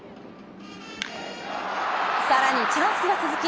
さらにチャンスは続き